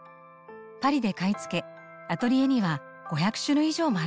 パリで買い付けアトリエには５００種類以上もあるそうです。